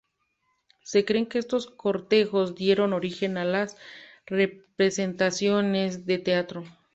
Se cree que estos cortejos dieron origen a las representaciones de teatro.